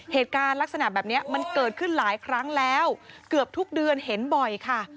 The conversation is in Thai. เหตุการณ์ลักษณะแบบนี้มันเกิดขึ้นหลายครั้งแล้วเกือบทุกเดือนเห็นบ่อยค่ะ